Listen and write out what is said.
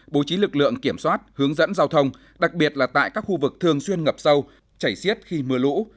bố trí lực lượng kiểm soát hướng dẫn giao thông đặc biệt là tại các khu vực thường xuyên ngập sâu chảy xiết khi mưa lũ